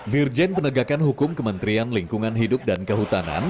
dirjen penegakan hukum kementerian lingkungan hidup dan kehutanan